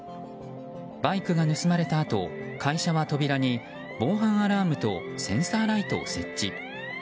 バイクが盗まれたあと会社は扉に防犯アラームとセンサーライトを設置。